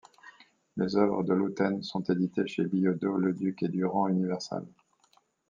Les œuvres de Looten sont éditées chez Billaudot, Leduc, et Durand - Universal.